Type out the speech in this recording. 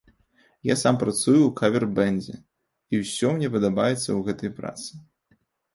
Я сам працую ў кавер-бэндзе, і ўсё мне падабаецца ў гэтай працы.